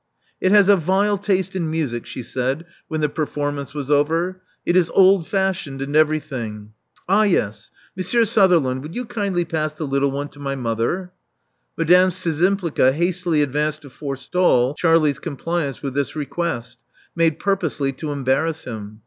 It has a vile taste in music," she said, when the performance was over. It is old fashioned in every thing. Ah yes. Monsieur Sutherland: would 3roti kindly pass the little one to my mother." Madame Szczympliga hastily advanced to forestall Charlie's compliance with this request, made purposely to embarrass him.